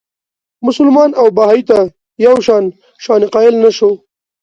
مسلمان او بهايي ته یو شان شأن قایل نه شو.